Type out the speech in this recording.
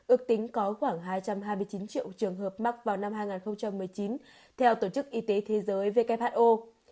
ước tính có khoảng hai trăm hai mươi chín triệu trường hợp mắc vào năm hai nghìn một mươi chín theo tổ chức y tế thế giới who